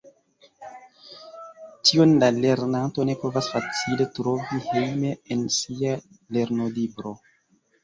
Tion la lernanto ne povas facile trovi hejme en sia lernolibro.